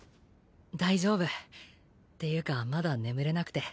大丈夫っていうかまだ眠れなくて。